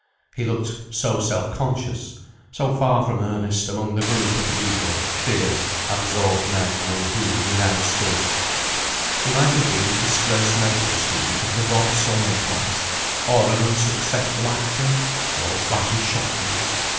He looked so self conscious, so far from earnest, among the group of eager, fierce, absorbed men, among whom he now stood. He might have been a disgraced medical student of the Bob Sawyer class, or an unsuccessful actor, or a flashy shopman.